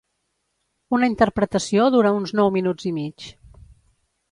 Una interpretació dura uns nou minuts i mig.